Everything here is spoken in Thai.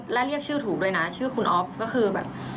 และเรียกชื่อถูกด้วยนะชื่อคุณอ๊อฟก็คือแบบ